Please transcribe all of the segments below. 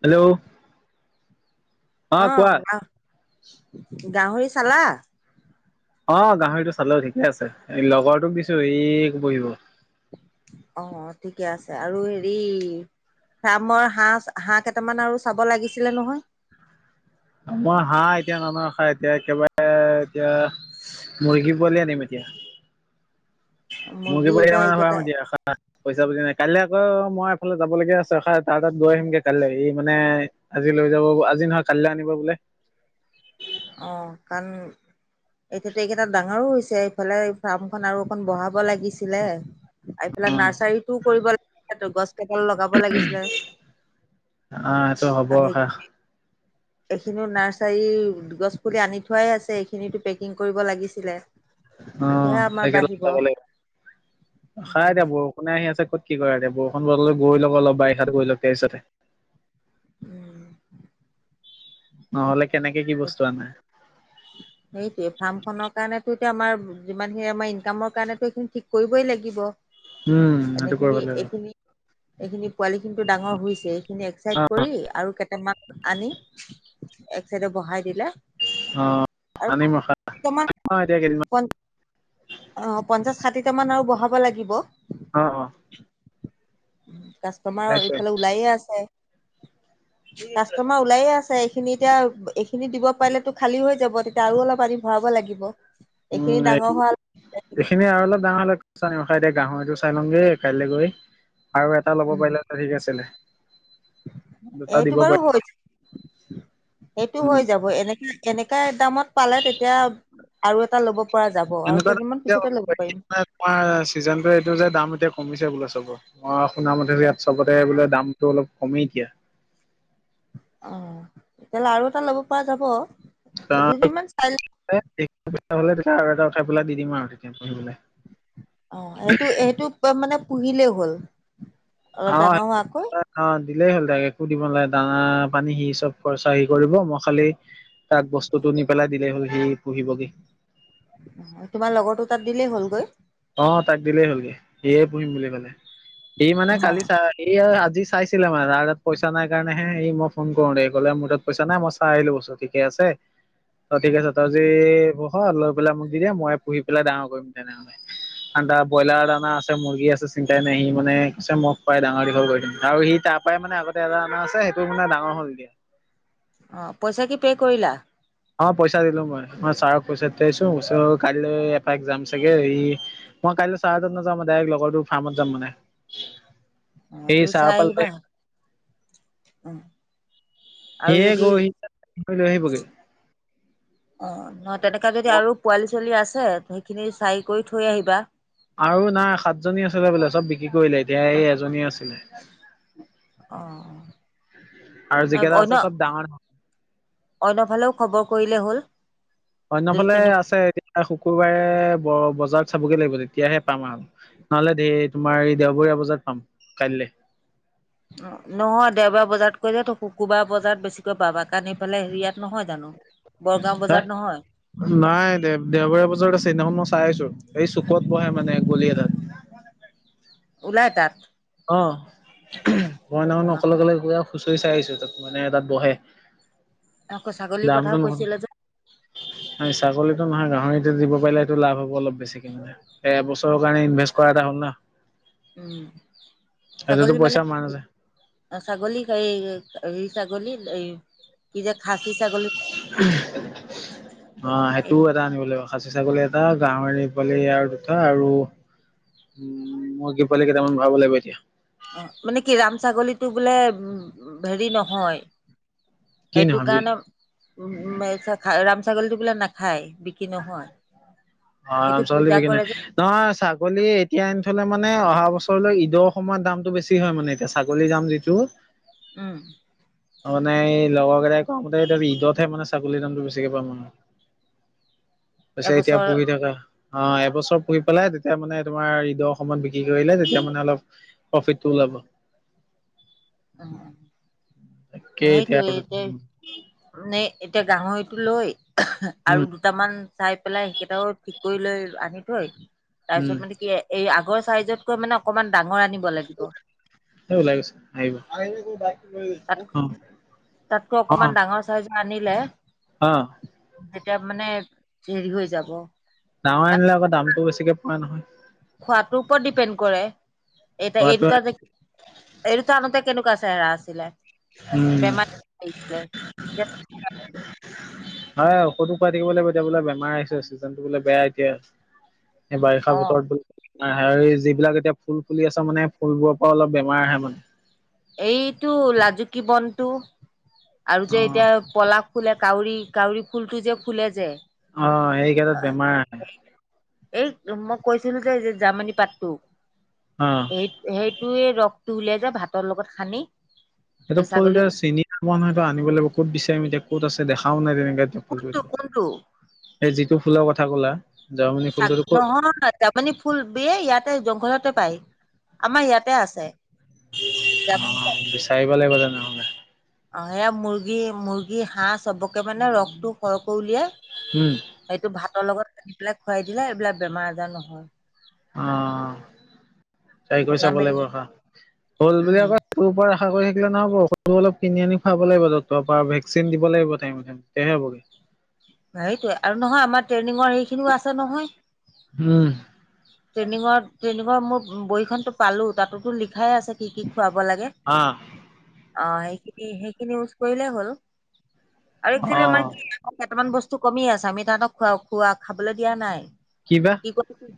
Hello অ আহ কোৱা গাহ গাহৰি চালা? অ গাহৰিটো চালেও ঠিকে আছে এই লগৰটোক দিছো স বহিব। অ ঠিকে আছে আৰু হেৰি ৰামৰ হাঁহ হাঁহ কেইটামান আৰু চাব লাগিছিলে নহয়। আ মই হাঁহ এতিয়া নন খা এতিয়া একেবাৰে এতিয়া মুৰ্গী পোৱালি আনিম এতিয়া। [inaudible] মুৰ্গী পিয়া এতিয়া মানে এইকেইটা ভম দিয়া। পইচা পাতি নাই কাইলৈ আকৌ মই এফালে যাবলগীয়া আছো এ তাৰ তাত গৈ আহিমগে কাইলৈ ই মানে আজ- লৈ যাব আজি নহয় কালিলৈ আনিব বোলে। অ কাণ একেতে এতিয়াতো এইকেইটা ডাঙৰো হৈছে এইফালে ফাৰ্মখন আৰু অকন বঢ়াব লাগিছিলে। এইফালে অ নাৰ্চাৰীটোও কৰিব লাগিছিল গছ কেইডাল লগাব লাগিছিলে। আহ সেইটো হ'ব হা এইখিনি নাৰ্চাৰী গছ পুলি আনি থোৱাই আছে এইখিনো পেকিং কৰিব লাগিছিলে। অ তেতিয়াহে আমাৰ সেই কেদাল বাঢ়িব চাব লাগিব খাই উম দিয়া বৰষুণে আহি আছে। ত কি কৰা এতিয়া বৰষুণ [unintelligible] উম নহলে কেনেকে কি বস্তু আনে। এই ফাৰ্ম খনৰ কাৰণো এতিয়া আমাৰ যিমানখিনি আমাৰ ইনকামৰ কাৰণো এইখিনি ঠিক কৰিবই লাগিব। উম সেইটো এনেখিনি কৰিব লাগিব। এইখিনি এইখিনি পোৱালি খিনিতো ডাঙৰ হৈছে এইখিনি অ একচাইড কৰি আৰু টামাত আনি এক চাইডে বহাই দিলে, অ আনিম [unintelligible] ৰখা অ এতিয়া কেইদিনমান ষাঠিটা মান আৰু বহাব লাগিব। অ উ কাষ্টমাৰ সেইটোৱে এইফালে ওলাই আছে। কাষ্টটেমাৰ ওলাইে আছে এইখিনি এতিয়া এইখিনি দিব পাৰিলেতো খালী হৈ- যাব। তেতিয়া আৰু অলপ পানী ভৰাব লাগিব। এইখিনি উম ডাঙৰ এইটো হোৱা সেইখিনি আৰু অলপ ডাঙৰ হলে- ৰখাই দে গাহৰিটো চাই লওঁগে কাইলৈ গৈ আৰু এটা ল'ব উম পাৰিলে ঠিক আছিলে। দুটা এইটো দিব বাৰু হৈ পাৰিব। সেইটো উম হৈ যাব। এনেকাে এনেকা দামত পালে তেতিয়া আৰু এটা ল'ব- পৰা যাব। আৰু এনেকুৱা কেইদিনমান এতিয়া পিছতে ল'ব পাৰিব। তোমাৰ চিজন এইটো যে দাম এতিয়া কমিছে বোলে চবৰ। শুনা মতে ইয়াত চবতে বোলে দামতটো অলপ কমেই এতিয়া। অ তেতিয়া হ'লে আৰু এটা ল'ব পৰা যাব। দুদিনমান চাই [unintelligible] অ সেইটো সেইটো মানে পুহিলেই হ'ল। অলপ অ ডাঙৰ হোৱাকৈ অ দিলেই হ'ল তাক একো দিব নালাগে। দান- পানী সি চব খৰচ সি কৰিব মই খালি তাক বস্তুতটো নি পেলাই দিলে হ'ল সি পুহিব। কবি তোমাৰ লগৰটো তা'ত দিলেই হ'লগৈ? অ তাক দিলেই হ'ল গে সিয়ে পুহিম বুলি কলে। সি মানে অ কালি চাই আহি এ আজ- চাইছিলে মানে তাৰ হাতত পইচা নাই কাৰণে সি মই ফোন কৰোতে কলে মোৰ হাতত পইচা নাই মই চাই আহিলো। ঠিকে আছ- ছে। অ ঠিক আছে তই জি পোহ লৈ পেলাই মোক দি দিয়া মই পুহি পেলাই ডাঙৰ কৰিম তেনেহলে। আন্দা ব্ৰইলাৰ দানা আছে, মুৰ্গী আছে চিন্তাই নাই সি মানে কৈছে মোক পাই ডাঙৰ দীঘল কৰি দিম। আৰু সি তাৰ পাই তাৰ মানে আগতে এটা অনা আছে সেইটো মানে ডাঙৰ হ'ল গে। অ পইচা কি পে কৰিলা? অ পইচা দিলো মই। মই ছাৰক পইচা দি থৈ আহিছো কাইলৈ এপাক যাম চাগে, ই মই কাইলৈ চাহ এজেন্ট নাযাওঁ ডাইৰেক্ লগৰটো ফাৰ্মত যাম মানে। অ সেই তোৰ চাৰৰ চাই পৰা লৈ আহিবা অ। আৰু সিয়ে যদি গৈ সি লৈ আহিব গে। অ তেনেকে যদি আৰু পোৱালি ছোৱালি আছে সেইখিনি চাই কৰি থৈ আহিবা। আৰু নাই সাতজনী আছিলে বোলে চব বিক্ৰী কৰিলে এতিয়া এই এজনী আছিলে। আৰু অ যিকেইটা আছে অন্য, চব ডাঙৰ ডাঙৰ অন্য ফালেও খবৰ- কৰিলে হ'ল। যদি অন্যফালে তেনেকুৱা আছে। এতিয়া শুকুৰবাৰে বজাৰ চাবগে লাগিব তেতিয়াহে পাম আৰু। নহ'লে ধৰ তোমাৰ এই দেওঁবৰীয়া বজাৰত পাম কাইলৈ। উম'। অ', নহয় দেওঁবাৰ বজাৰত কৈ যে তোক সুকুবাৰ বজাৰত বেছিকৈ পাবা কাৰণ সেইফালে হেৰি ইয়াত নহয় জানো, বৰগাঁও বজাৰত নহয়? নাই দে-দেওঁবাৰীয়া বছৰত আছে সেইদিনাখন মই চাই আহিছো। এই চুকত বহে মানে গলি এটাত। ওলাই তা'ত? অ', মই অ সেইদিনাখন অকলে-অকলে গৈ আৰু খুচৰি চাই আহিছো তা'ত মানে তা'ত বহে। আকৌ ছাগলীৰ দামটো কথাও কৈছিলে নহয় যে? ছাগলীটো নহয় গাহৰিটো দিব পাৰিলে সেইটো লাভ হ'ব অলপ বেছিকে মানে। এবছৰৰ কাৰণে ইনভেষ্ট কৰা এটা হ'ল না? উম', সেইটোতো ছাগলী মানে পইচা মাৰ নাযায় [unintelligible] ছাগলীক এ এই ছাগলী এই কি যে খাচী ছাগলী অ', সেইটোও এটা আনিব লাগিব। খাচী ছাগলী এটা, গাহৰি পোৱালি দুটা আৰু উম, মুৰ্গী পোৱালি কেইটামান ভৰাব লাগিব এতিয়া। অ', মানে কি ৰাম ছাগলীতটো বোলে উম, হেৰি নহয়। কি সেইটো নহয় কাৰণে উম, ৰাম ছাগলীটো বোলে নাখায়। বিক্ৰী নহয় সেইটো ৰমাগলি পূজা [unintelligible] নহয় কৰে যে চা ছাগলী এতিয়া এনি থলে মানে অহা বছৰলৈ ঈদৰ সময়ত দামটো বেছি হয় মানে এতিয়া ছাগলীৰ দাম যিটো। উম'। মানে এই লগৰ কেইটাই কুৱা মতে ঈদতহে মানে ছাগলীৰ দামটো বেছিকে পাম মানে। আছে এতিয়া এবছৰ পহি থকা। অ', এবছৰ পুহি পেলাই তেতিয়া মানে তোমাৰ ঈদৰ সময়ত বিক্ৰী কৰিলে তেতিয়া মানে অলপ প্ৰফিত টো ওলাব। [unintelligible] অ', তাকেই হেটোৱেই আৰু এতিয়া, মানে এতিয়া গাহৰিটো লৈ উম আৰু দুটামান চাই পেলাই সেইকেইটাও ঠিক কৰি লৈ আনি থৈ উম তাৰপিছত মানে কি এই আগৰ চাইজতকৈ মানে অকমান ডাঙৰ আনিব লাগিব। এই ওলাই গৈছে আহিব কোতাই [unintelligible] তাতকৈ অ অকমান ডাঙৰ চাইজো আনিলে অ'। এতিয়া মানে হেৰি হৈ যাব। ডাঙৰ আনিলে আকৌ দামটো বেছিকে পৰে নহয়। খোৱাটোৰ ওপৰত ডিপেণ্ড কৰে। এটা এই পৰাটোৱে দুটা যে--এই দুটা আনোতে কেনেকুৱাছে? চেৰা আছিলে উম বেমাৰি [inaudible] হয় ঔষধো খাই থাকিব লাগিব এতিয়া বোলে বেমাৰ আহিছে চিজন টো বোলে বেয়া এতিয়া। এই বাৰিষা অ বতৰত হেৰি যিবিলাক এতিয়া ফুল-ফুলি আছে মানে ফুলবোৰৰ পৰা অলপ বেমাৰ আহে মানে। এইটো লাজুকী বনটো আৰু অ যে এতিয়া পলাশ খুল কাউৰী-কাউৰী ফুলটো যে ফুলে যে? অ', সেইকেইটত বেমাৰ আহে। এই মই কৈছিলো যে-যে জাৰ্মী পাতটো? অ সেই-সেই তয়ে ৰসটো উলিয়াই যা ভাতৰ লগত খানী? সেইটো ফুল এয়া চিনি নহয়েইটো আনিব লাগিব ক'ত বিচিম এতিয়া ক'ত আছে দেখাও নাই তেনেকে। কোনটো কোনটো [unintelligible] যিটো ফুলৰ কথা কলা। জয়মণি ফুলটোতো ক'ত নহয় তাৰমানমানে ফুল ব ইয়াতে জংঘলতে পাই আমাৰ ইয়াতে আছে। জামনি অ', পাতটো বিচাৰিব লাগিব তেনেহলে। অ সেয়া মুৰ্গী মুৰ্গী হাঁহ চবকে মানে ৰসটো সৰহকৈ উলিয়াই উম, সেইটো ভাতৰ লগত আনি পেলাই খুৱাই দিলে এইবিলাক বেমাৰ আজাৰ নহয়। অঁ তাই কৰি না চাব লাগিব মেডিচিন ৰখা। হল বুলি উম আকৌ তোৰ পৰা আশা কৰি নহ'ব। ঔষধ অলপ কিনি আনি খাব লাগিব। ডক্টৰৰ পৰা ভেকচিন দিব লাগিব টাইম মতে তেতিয়াহে হবগে। [inaudible] সেইটোৱে আৰু নহয় আমাৰ ট্ৰেইনিঙৰ সেইখিনিও আছে নহয় উম, ট্ৰেইনিঙৰ ট্ৰেইনিঙৰ মোৰ বহীনতো পালো। তাতোতো ল খাই আছে কি কি খুৱাব লাগে। আহ অ সেইখিনি সেইখিনি ইউজ কৰিলে হ'ল। আৰু একচলি আমাৰ অ' কি বৰ্তমান বস্তু কমি আছে আমি তাহতক খোৱা খোৱা খাবলৈ দিয়া নাই। কিবা কি কৰি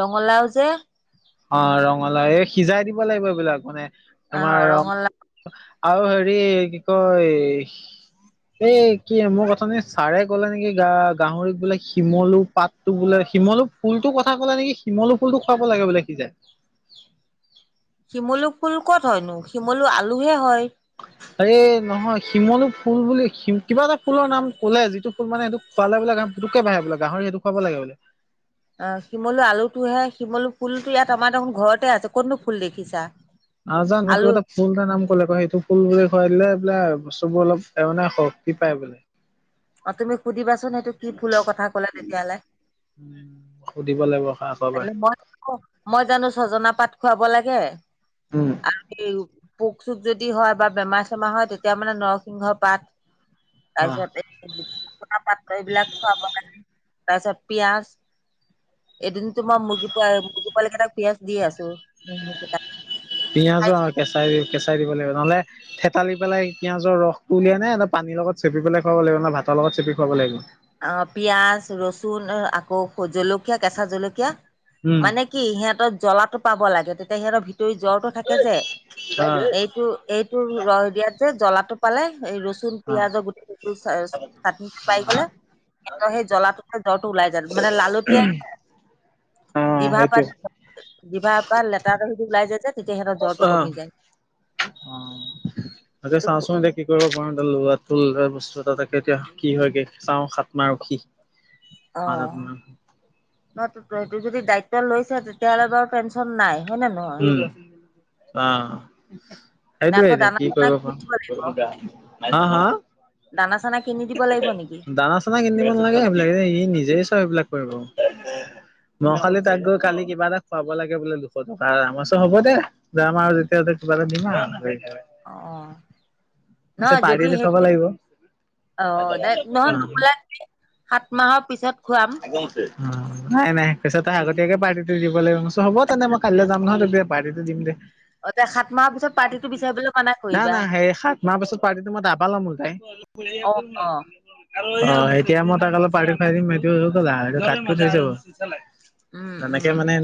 ৰঙালাও যে অ ৰঙালাও এই সিজাই দিব লাগিব এইবিলাক। মানে আহ তোমাৰ ৰং ৰঙালাও আৰু হেৰি কি কয় এ কি মোৰ অথনি ছাৰে ক'লে নেকি গ গাহৰিক বোলে শিমলু পাতটো বোলে। শিমলু ফুলটোৰ কথা কলে নেকি? শিমলু ফুলটো খুৱাব লাগে বোলে সিজাই। শিমলু ফুল ক'ত হয়নো? শিমলু আলুহে হয়। আৰে নহয়। শিমলু ফুল বুলি কিবা এটা ফুলৰ নাম কলে যিটো ফুল মানে সেইটো খোৱালে বোলে পুটোককে বাঢ়ে বোলে। গাহৰি সেইটো খুৱাব লাগে বোলে অ শিমলু আলুটোহে শিমলু ফুলটো ইয়াত আমাৰ দেখোন ঘৰতে আছে। কতনো ফুল দেখিছা? নাজানো আলু কিবা এটা ফুল এটা নাম ক'লে সেইটো ফুল বোলে খুৱাই দিলে বোলে বস্তুবোৰ অলপ মানে শক্তি পায় বোলে। অ তুমি সুধিবাচোন সেইটো কি ফুলৰ কথা কলে তেতিয়াহলে। সুধিব লাগিব আকৌ এবাৰ মই মই জানো ছজনা পাত খুৱাব লাগে উম আহ কি পোক চোক যদি হয় বা বেমাৰ চেমাৰ হয় তেতিয়া মানে নৰসিংহৰ পাত তাৰ অ পিছত এই পাত্ৰ এইবিলাক খুৱাব লাগে। তাৰ পিছত পিয়াজ এদিনতো মই মুৰ্গী পোৱ মুৰ্গী পোৱালি কেইটাক পিয়ঁজ দি আছো। [unintelligible] পিয়াজো খাইছে আৰু কেঁচাই কেঁচ দিব লাগিব নহলে থেতালি পেলাই পিয়াজৰ ৰসটো উলিয়াই নে পানীৰ লগত চেপি পেলাই খুৱাব লাগিব ন ভাতৰ লগত চেপি খুৱাব লাগিব। অ পিয়াজ, ৰচুন আকৌ জলকীয়া কেঁচা জলকীয়া উম মানে কি সিহঁতৰ জ্বলাটো পাব লাগে তেতিয়া সিহঁতৰ ভিত তই জ্বৰটো থাকে যে অ এইটো এইটো ৰহ দিয়াত যে জ্বলাটো পালে এই ৰচ ৰচুন, অ পিয়াজ গোট স চাট পাই গলে স সেই জ্বলাটো জ্বৰটো ওলাই যায় মানে লালতিয়াই অ জিভাৰ পা সেইটোৱে জিভাৰ পৰা লেতেৰা [unintelligible] ওলাই যায় যে। তেহেতৰ জ্বৰটো অ কমি যায়। অ হলেও এইটো চাওচোন, এতিয়া কি কৰিব পাৰো। [unintelligible] তাকে এতিয়া কি হয়গে চাওঁ, সাত মাহ ৰখি সাত, আত মাহ অটো যদি দায়িত্ব লৈছ তেতিয়াহ'লে বাৰু টেনচন নাই। হয় নে নহয় উম আহ নে সেইটোৱে আকৌ এতিয়া দানা কি চানা কৰিব কিনি পাও। দিব লাগিব হা হা? দানা চানা কিনি দিব লাগিব নেকি দানা চানা কিনি দিব নালাগে। সেইবিলাকে ই নিজেই চাই সেইবিলাক। কৰিব। খালি তাক গৈ কালি কিবা এটা খুৱাব লাগে বোলে আমাৰছ হ'ব দে যাম আও যেতিয়া কিবা এটা দিম আও। হ অ নহয় যদি সেইটো অ নহয় নোকোলা সাত মাহৰ পিছত খুৱাম একদমছে অ নাই নাই কৈছ তই আগতীয়াক পাৰ্টিটো দিবাগিব হ'ব তেনে মই কাইলৈ যাম নহয় পাৰ্টিটো দিম দে। অ তে সাত মাহৰ পিছত পাৰ্টিটো বিচাৰিবলৈ মানা না কৰিবা না সেই সাত মাহ পাছত পাৰ্টিটো মই তাপা লম বোলো পায়। অ অ [unintelligible] অ এতিয়া মই তাকক অলপ পাৰ্টি খোৱাই দিম সেইটো কাত কুত হয় যাব। উম উম উম তেনেকে উম মানে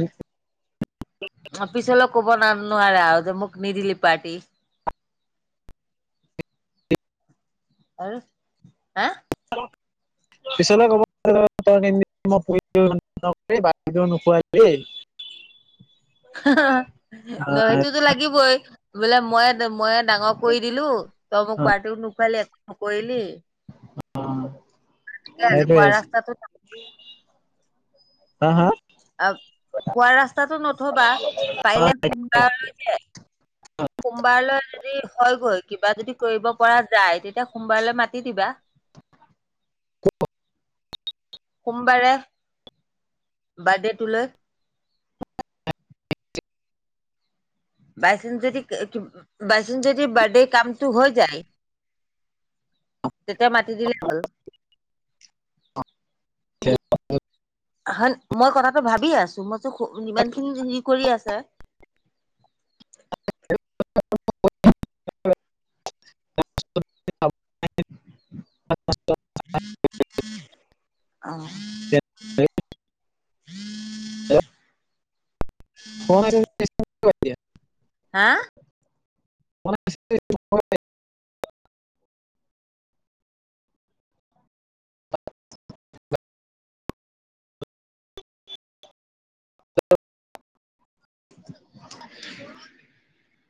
অ পিছে লগোকো কব নোৱাৰে আও যে মোক নিদিলি পাৰ্টি [inaudible] আৰু হা [inaudible] পিছলে ক'বইই নোখোৱাই দেই। [inaudible] সেইটোতো লাগিবই বোলে মই মই ডাঙৰ কৰি দিলো। তম অ পাৰ্টিও নুখোৱালি একো নকৰিলে। ঠিকে আছে কোৱা ৰাস্তাতোত, হা হা আহ কোৱা ৰাস্তাতো নথবা পাৰিলে সোনকাল যে সোমবাৰলৈ যদি হয়গৈ কিবা যদি কৰিব পৰা যায় তেতিয়া সোমবাৰলৈ মাতি দিবা। সোমবাৰে বিৰ্থডে টোলৈ বাইচন যদি বাইচন যদি বাৰডে কামটো হৈ যায়। অ তেতিয়া মাতি দিলে হ'ল। [unintelligible] হয়, মই কথাটো ভাবি আছো মইতো সিমানখিনি সি কৰি আছে। [unintelligible] [unintelligible] অহ [unintelligible] [unintelligible] হা? [unintelligible] [inaudible]